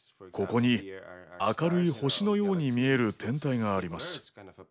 ここに明るい星のように見える天体があります。